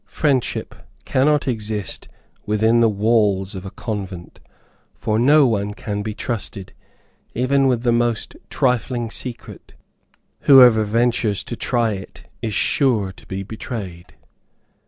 Friendship cannot exist within the walls of a convent, for no one can be trusted, even with the most trifling secret. Whoever ventures to try it is sure to be betrayed.